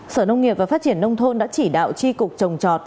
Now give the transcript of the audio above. sở nông nghiệp và phát triển nông thôn đã chỉ đạo tri cục trồng trọt